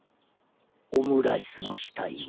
オムライスの死体を。